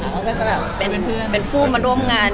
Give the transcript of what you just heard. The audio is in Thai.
เขาก็จะเป็นผู้มาร่วมงาน